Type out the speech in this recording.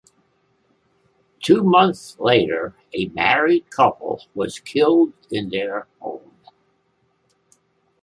Two months later, a married couple was killed in their home.